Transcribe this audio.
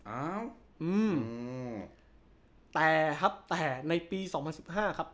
อ้าวอืมแต่ครับแต่ในปีสองพันสิบห้าครับ